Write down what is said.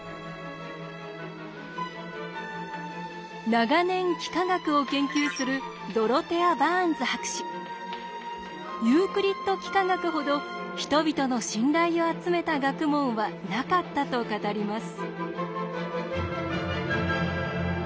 長年幾何学を研究するユークリッド幾何学ほど人々の信頼を集めた学問はなかったと語ります。